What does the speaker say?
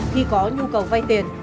khi có nhu cầu vay tiền